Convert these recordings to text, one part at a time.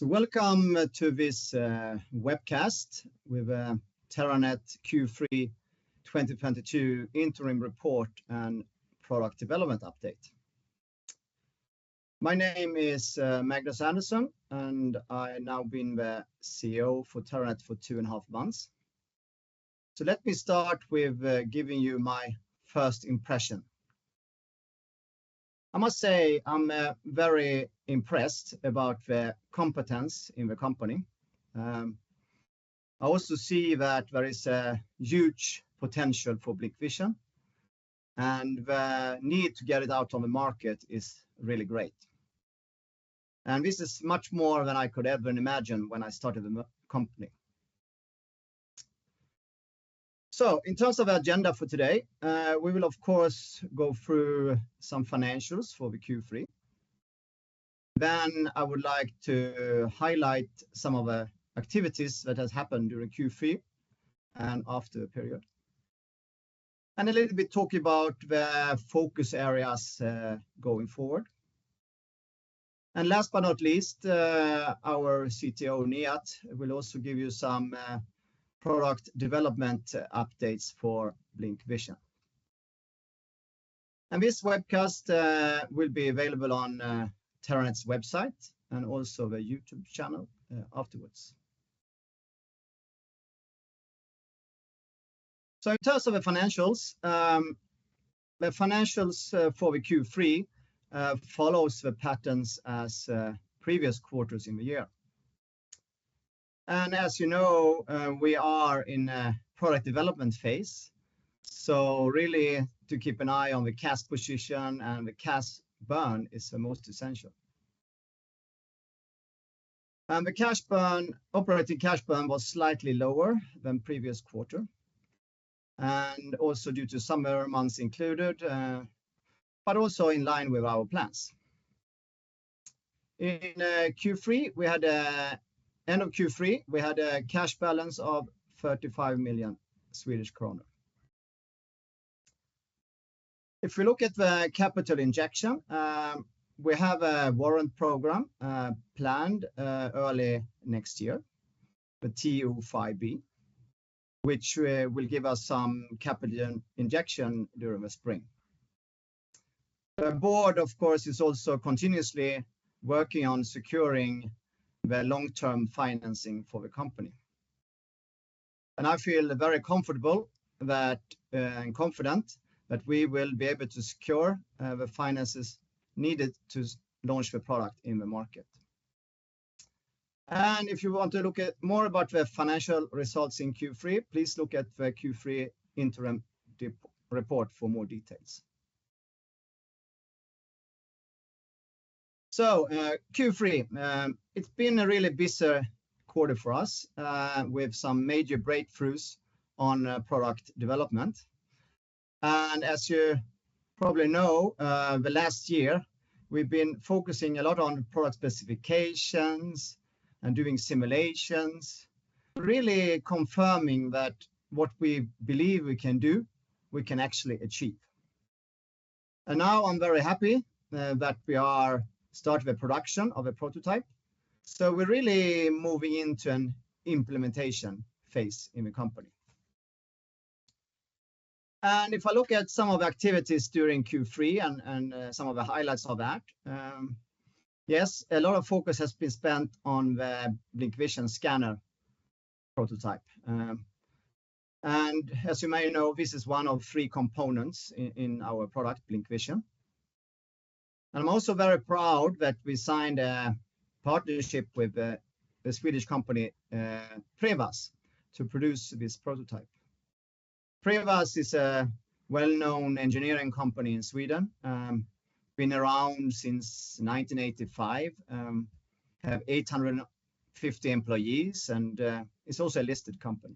Welcome to this webcast with Terranet Q3 2022 interim report and product development update. My name is Magnus Andersson, and I now been the CEO for Terranet for 2.5 months. Let me start with giving you my first impression. I must say, I'm very impressed about the competence in the company. I also see that there is a huge potential for BlincVision, and the need to get it out on the market is really great. This is much more than I could ever imagine when I started the company. In terms of agenda for today, we will of course, go through some financials for the Q3. I would like to highlight some of the activities that has happened during Q3 and after period. A little bit talk about the focus areas going forward. Last but not least, our CTO, Nihat, will also give you some product development updates for BlincVision. This webcast will be available on Terranet's website and also the YouTube channel afterwards. In terms of the financials for the Q3 follows the patterns as previous quarters in the year. As you know, we are in a product development phase. Really to keep an eye on the cash position and the cash burn is the most essential. Operating cash burn was slightly lower than previous quarter, and also due to summer months included, but also in line with our plans. End of Q3, we had a cash balance of 35 million Swedish kronor. If we look at the capital injection, we have a warrant program planned early next year, the TO5 B, which will give us some capital injection during the spring. The board, of course, is also continuously working on securing the long-term financing for the company. I feel very comfortable and confident that we will be able to secure the finances needed to launch the product in the market. If you want to look at more about the financial results in Q3, please look at the Q3 interim report for more details. Q3, it's been a really busy quarter for us with some major breakthroughs on product development. As you probably know, the last year we've been focusing a lot on product specifications and doing simulations, really confirming that what we believe we can do, we can actually achieve. Now I'm very happy that we are start the production of a prototype. We're really moving into an implementation phase in the company. If I look at some of the activities during Q3 and some of the highlights of that, yes, a lot of focus has been spent on the BlincVision scanner prototype. As you may know, this is one of three components in our product BlincVision. I'm also very proud that we signed a partnership with the Swedish company Prevas to produce this prototype. Prevas is a well-known engineering company in Sweden. Been around since 1985, have eight hundred and fifty employees, and it's also a listed company.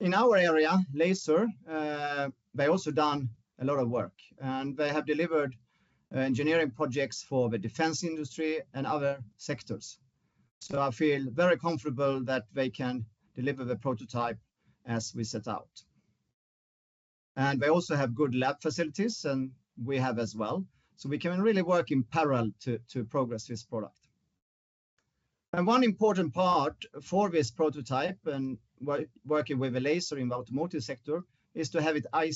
In our area, laser, they also done a lot of work, and they have delivered engineering projects for the defense industry and other sectors. So I feel very comfortable that they can deliver the prototype as we set out. And they also have good lab facilities and we have as well. So we can really work in parallel to progress this product. And one important part for this prototype and working with a laser in the automotive sector is to have it Eye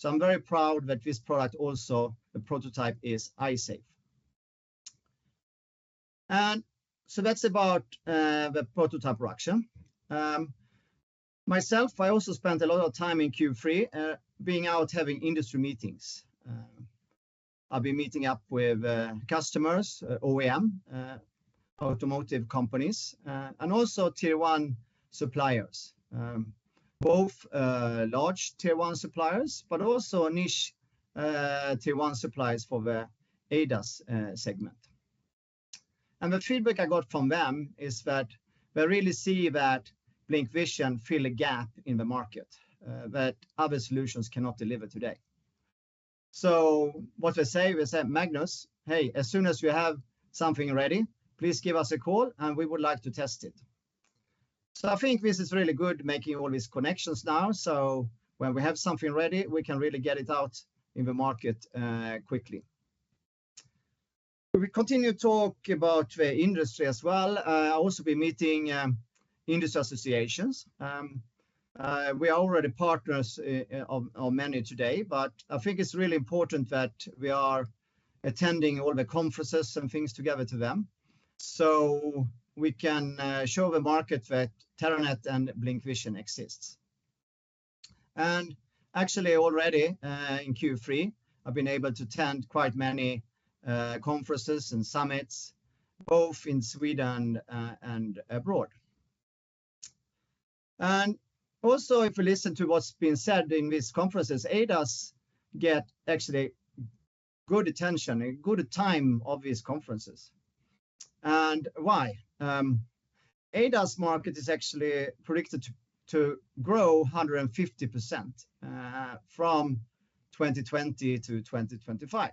Safe. So I'm very proud that this product also, the prototype is Eye Safe. And so that's about, the prototype production. I also spent a lot of time in Q3, being out having industry meetings. I've been meeting up with customers, OEM, automotive companies, and also tier one suppliers. Both large Tier 1 suppliers, but also niche tier one suppliers for the ADAS segment. The feedback I got from them is that they really see that BlincVision fill a gap in the market that other solutions cannot deliver today. What I say is that, Magnus, hey, as soon as you have something ready, please give us a call, and we would like to test it. I think this is really good making all these connections now, so when we have something ready, we can really get it out in the market quickly. We continue to talk about the industry as well. I also be meeting industry associations. We are already partners of many today, but I think it's really important that we are attending all the conferences and things together to them, so we can show the market that Terranet and BlincVision exists. Actually already in Q3, I've been able to attend quite many conferences and summits, both in Sweden and abroad. If you listen to what's being said in these conferences, ADAS get actually good attention and good time of these conferences. Why? ADAS market is actually predicted to grow 150% from 2020-2025.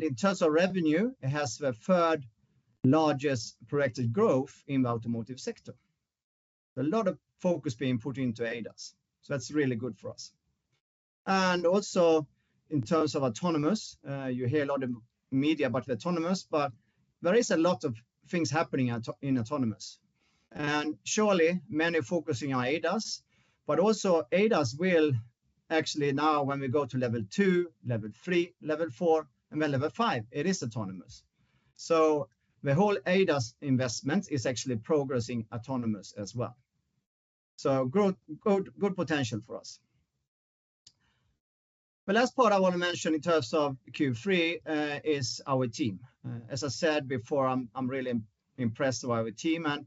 In terms of revenue, it has the third-largest projected growth in the automotive sector. A lot of focus being put into ADAS, so that's really good for us. Also in terms of autonomous, you hear a lot in media about the autonomous, but there is a lot of things happening in autonomous. Surely many focusing on ADAS, but also ADAS will actually now when we go to level 2, level 3, level 4, and then level 5, it is autonomous. The whole ADAS investment is actually progressing autonomous as well. Good potential for us. The last part I wanna mention in terms of Q3 is our team. As I said before, I'm really impressed by our team, and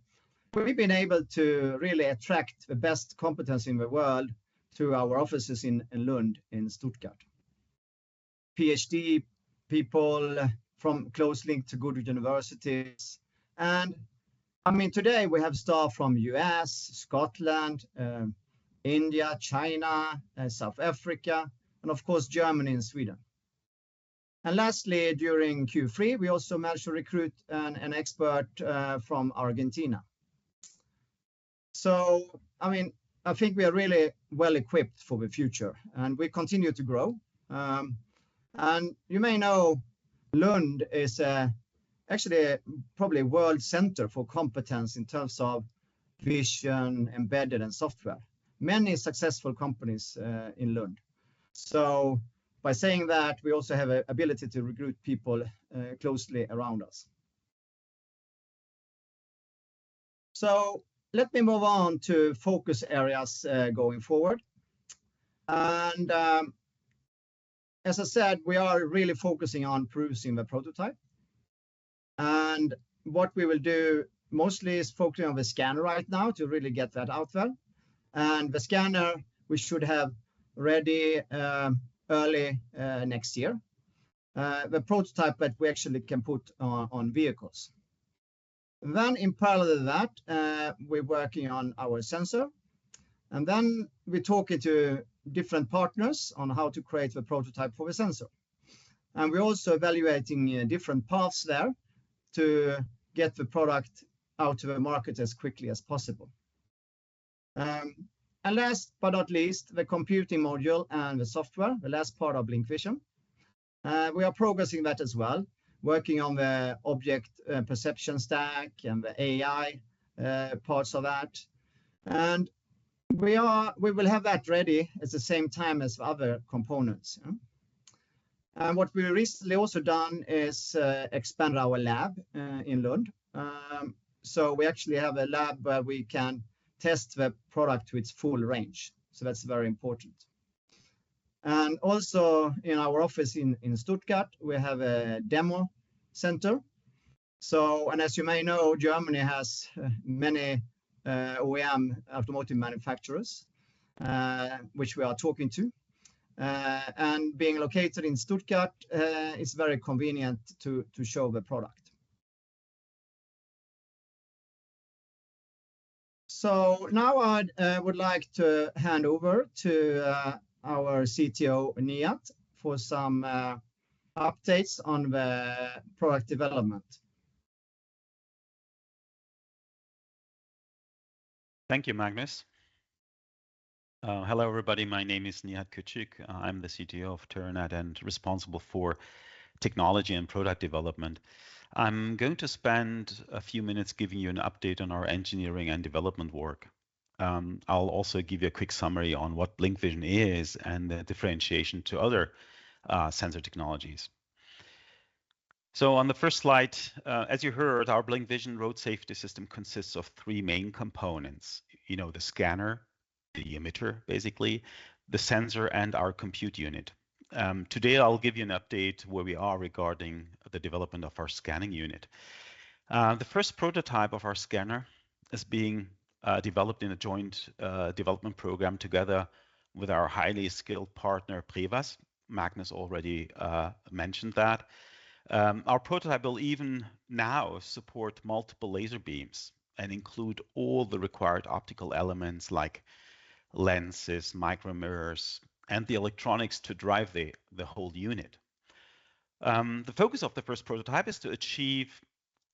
we've been able to really attract the best competence in the world to our offices in Lund and Stuttgart. PhD people from close link to good universities. I mean, today we have staff from U.S., Scotland, India, China, South Africa, and of course, Germany and Sweden. Lastly, during Q3, we also managed to recruit an expert from Argentina. I mean, I think we are really well-equipped for the future, and we continue to grow. You may know Lund is actually probably world center for competence in terms of vision, embedded and software. Many successful companies in Lund. By saying that, we also have a ability to recruit people closely around us. Let me move on to focus areas going forward. As I said, we are really focusing on producing the prototype. What we will do mostly is focusing on the scanner right now to really get that out there. The scanner we should have ready early next year, the prototype that we actually can put on vehicles. In parallel to that, we're working on our sensor, and then we're talking to different partners on how to create the prototype for the sensor. We're also evaluating different paths there to get the product out to the market as quickly as possible. Last but not least, the computing module and the software, the last part of BlincVision. We are progressing that as well, working on the object perception stack and the AI parts of that. We will have that ready at the same time as other components, yeah. What we recently also done is expand our lab in Lund. We actually have a lab where we can test the product to its full range, so that's very important. Also in our office in Stuttgart, we have a demo center. As you may know, Germany has many OEM automotive manufacturers which we are talking to. Being located in Stuttgart is very convenient to show the product. Now I would like to hand over to our CTO, Nihat, for some updates on the product development. Thank you, Magnus. Hello, everybody. My name is Nihat Küçük. I'm the CTO of Terranet and responsible for technology and product development. I'm going to spend a few minutes giving you an update on our engineering and development work. I'll also give you a quick summary on what BlincVision is and the differentiation to other sensor technologies. On the first slide, as you heard, our BlincVision road safety system consists of three main components. You know, the scanner, the emitter, basically, the sensor, and our compute unit. Today, I'll give you an update where we are regarding the development of our scanning unit. The first prototype of our scanner is being developed in a joint development program together with our highly skilled partner, Prevas. Magnus already mentioned that. Our prototype will even now support multiple laser beams and include all the required optical elements like lenses, micromirrors, and the electronics to drive the whole unit. The focus of the first prototype is to achieve,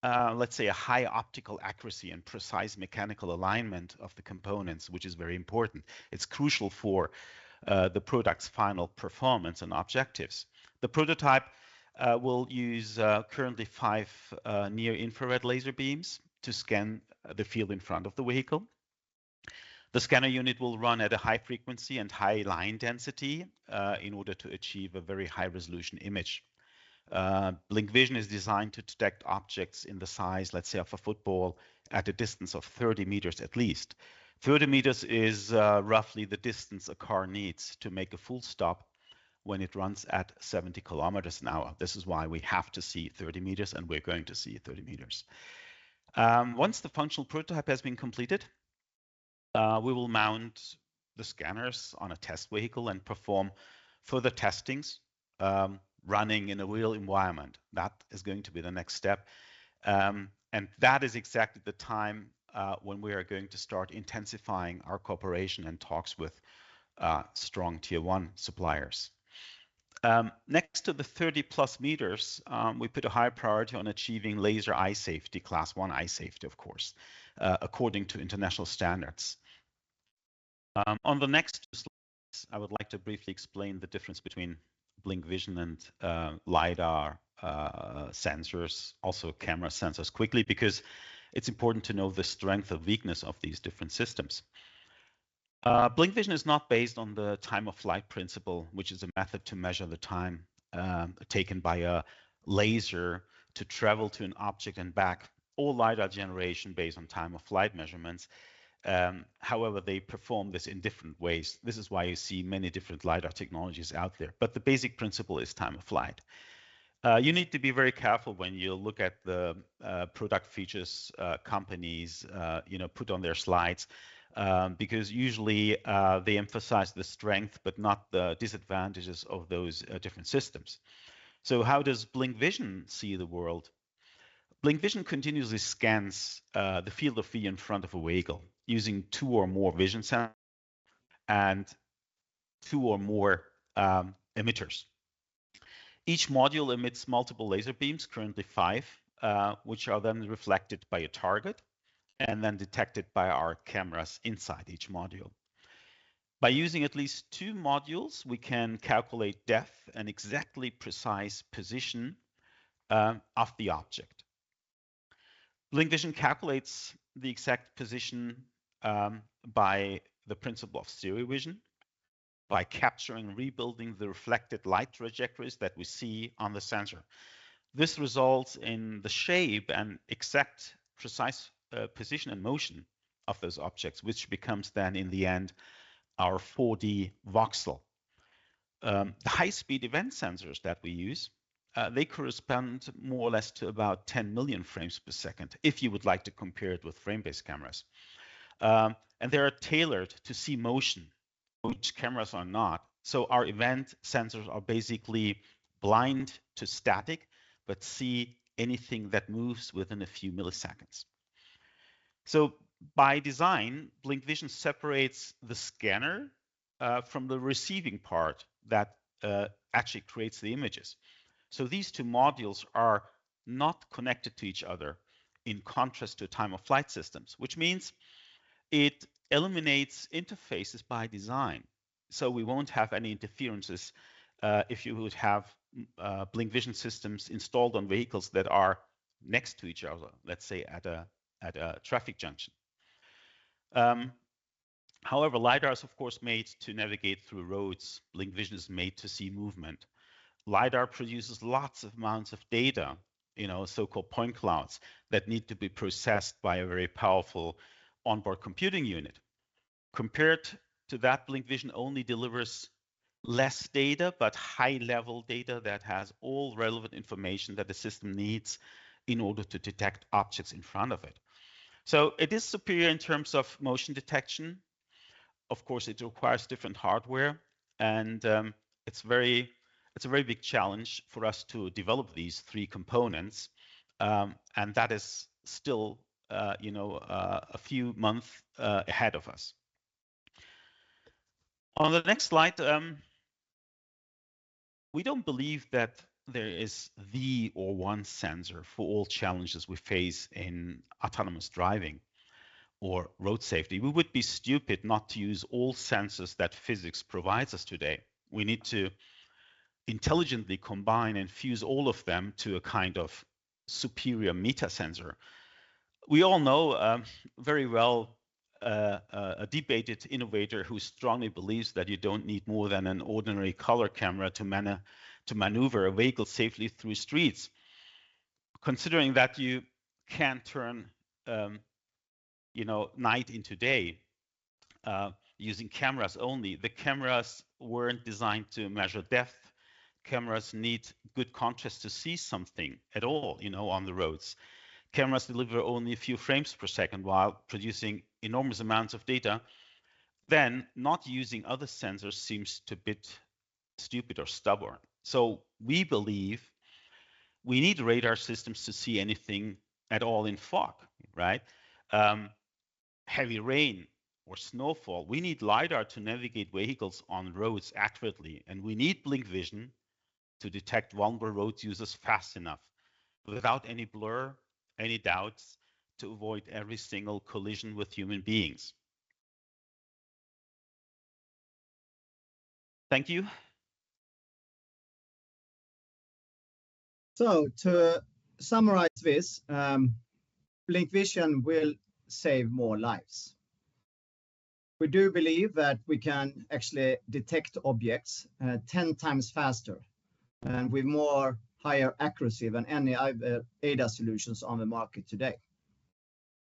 let's say, a high optical accuracy and precise mechanical alignment of the components, which is very important. It's crucial for the product's final performance and objectives. The prototype will use currently five near-infrared laser beams to scan the field in front of the vehicle. The scanner unit will run at a high frequency and high line density in order to achieve a very high-resolution image. BlincVision is designed to detect objects in the size, let's say, of a football at a distance of 30 meters at least. Thirty meters is, roughly the distance a car needs to make a full stop when it runs at 70km/hr. This is why we have to see 30 meters, and we're going to see 30 meters. Um, once the functional prototype has been completed, we will mount the scanners on a test vehicle and perform further testings, running in a real environment. That is going to be the next step, and that is exactly the time when we are going to start intensifying our cooperation and talks with strong Tier One suppliers. Um, next to the 30+ meters, we put a high priority on achieving laser Eye Safety, Class 1 Eye Safety, of course, according to international standards. On the next slides, I would like to briefly explain the difference between BlincVision and LiDAR sensors, also camera sensors quickly, because it's important to know the strength or weakness of these different systems. BlincVision is not based on the time-of-flight principle, which is a method to measure the time taken by a laser to travel to an object and back. All LiDAR generation based on time-of-flight measurements, however, they perform this in different ways. This is why you see many different LiDAR technologies out there, but the basic principle is time-of-flight. You need to be very careful when you look at the product features companies, you know, put on their slides, because usually, they emphasize the strength but not the disadvantages of those different systems. How does BlincVision see the world? BlincVision continuously scans the field of view in front of a vehicle using two or more vision sensors and two or more emitters. Each module emits multiple laser beams, currently five, which are then reflected by a target and then detected by our cameras inside each module. By using at least two modules, we can calculate depth and exactly precise position of the object. BlincVision calculates the exact position by the principle of stereo vision by capturing, rebuilding the reflected light trajectories that we see on the sensor. This results in the shape and exact precise position and motion of those objects, which becomes then in the end our 4D voxel. The high-speed event sensors that we use, they correspond more or less to about 10 million frames per second, if you would like to compare it with frame-based cameras. They are tailored to see motion, which cameras are not. Our event sensors are basically blind to static, but see anything that moves within a few milliseconds. By design, BlincVision separates the scanner from the receiving part that actually creates the images. These two modules are not connected to each other, in contrast to time-of-flight systems, which means it eliminates interfaces by design, so we won't have any interferences if you would have BlincVision systems installed on vehicles that are next to each other, let's say at a traffic junction. However, LiDAR is of course made to navigate through roads. BlincVision is made to see movement. LiDAR produces lots of amounts of data, you know, so-called point clouds that need to be processed by a very powerful onboard computing unit. Compared to that, BlincVision only delivers less data, but high-level data that has all relevant information that the system needs in order to detect objects in front of it. It is superior in terms of motion detection. Of course, it requires different hardware and it's a very big challenge for us to develop these three components, and that is still, you know, a few months ahead of us. On the next slide, we don't believe that there is one sensor for all challenges we face in autonomous driving or road safety. We would be stupid not to use all sensors that physics provides us today. We need to intelligently combine and fuse all of them to a kind of superior meta-sensor. We all know very well a debated innovator who strongly believes that you don't need more than an ordinary color camera to maneuver a vehicle safely through streets. Considering that you can turn, you know, night into day using cameras only, the cameras weren't designed to measure depth. Cameras need good contrast to see something at all, you know, on the roads. Cameras deliver only a few frames per second while producing enormous amounts of data. Not using other sensors seems a bit stupid or stubborn. We believe we need radar systems to see anything at all in fog, right, heavy rain or snowfall. We need LiDAR to navigate vehicles on roads accurately, and we need BlincVision to detect vulnerable road users fast enough without any blur, any doubts, to avoid every single collision with human beings. Thank you. To summarize this, BlincVision will save more lives. We do believe that we can actually detect objects 10x faster and with more higher accuracy than any other ADAS solutions on the market today.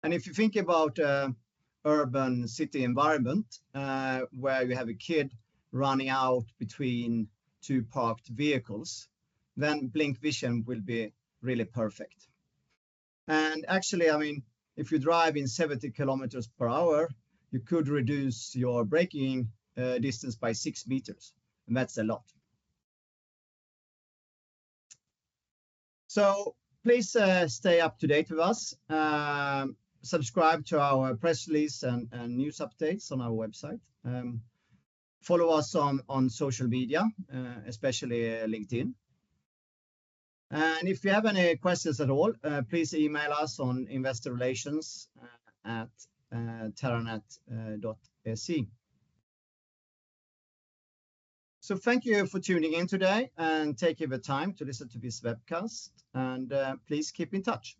If you think about urban city environment where you have a kid running out between two parked vehicles, then BlincVision will be really perfect. Actually, I mean, if you drive in 70 km/h, you could reduce your braking distance by six meters, and that's a lot. Please stay up to date with us. Subscribe to our press release and news updates on our website. Follow us on social media, especially LinkedIn. If you have any questions at all, please email us on investorrelations@terranet.se. Thank you for tuning in today and taking the time to listen to this webcast. Please keep in touch.